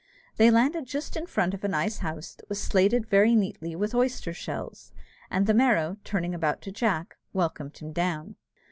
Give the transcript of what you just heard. They landed just in front of a nice house that was slated very neatly with oyster shells! and the Merrow, turning about to Jack, welcomed him down.